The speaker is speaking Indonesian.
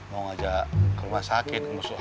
mau ngajak ke rumah sakit